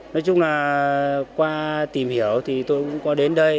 nói chung là qua tìm hiểu thì tôi cũng có đến đây